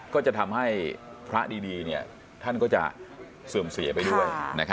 ก็จะทำให้พระดีท่านก็จะเสื่อมเสียไปด้วย